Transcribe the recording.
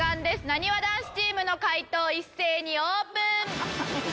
なにわ男子チームの解答一斉にオープン！